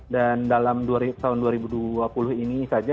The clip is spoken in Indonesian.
dan dalam tahun dua ribu dua puluh ini saja